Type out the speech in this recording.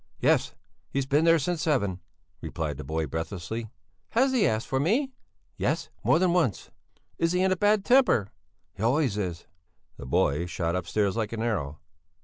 "Yes, he's been here since seven," replied the boy, breathlessly. "Has he asked for me?" "Yes, more than once." "Is he in a bad temper?" "He always is." The boy shot upstairs like an arrow.